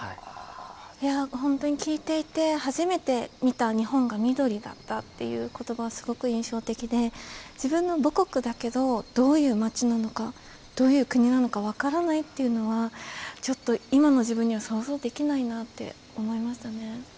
いや本当に聞いていて初めて見た日本が緑だったっていう言葉はすごく印象的で自分の母国だけどどういう町なのかどういう国なのか分からないっていうのはちょっと今の自分には想像できないなって思いましたね。